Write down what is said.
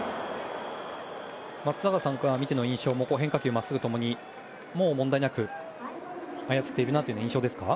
松坂さんから見ての印象変化球、まっすぐ共にもう問題なく操っているという印象ですか？